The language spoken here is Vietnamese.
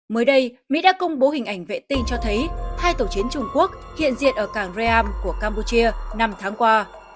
mới đây mỹ đã công bố hình ảnh vệ tinh cho thấy hai tàu chiến trung quốc hiện diện ở cảng raam của campuchia năm tháng qua